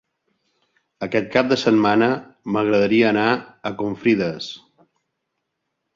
Aquest cap de setmana m'agradaria anar a Confrides.